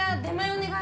お願い